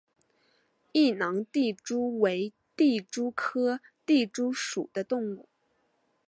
异囊地蛛为地蛛科地蛛属的动物。